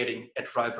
ingin membunuh uber